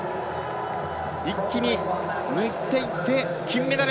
一気に抜いていって金メダル。